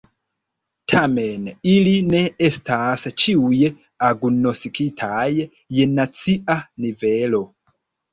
Tamen, ili ne estas ĉiuj agnoskitaj je nacia nivelo.